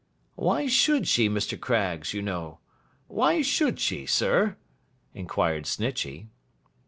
'Why should she, Mr. Craggs, you know? Why should she, sir?' inquired Snitchey.